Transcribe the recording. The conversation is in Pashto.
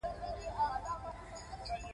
انا د خوشبویه خبرو بڼ دی